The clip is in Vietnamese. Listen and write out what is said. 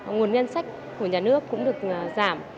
nguồn ngân sách của nhà nước cũng được giảm